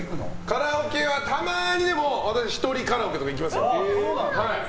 カラオケはたまに１人カラオケとか行きますよ。